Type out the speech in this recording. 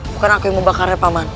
bukan aku yang membakarnya pak man